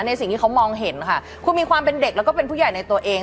สิ่งที่เขามองเห็นค่ะคุณมีความเป็นเด็กแล้วก็เป็นผู้ใหญ่ในตัวเอง